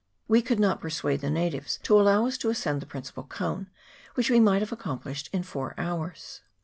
We could not persuade the natives to allow us to ascend the principal cone, which we might have accomplished in four hours.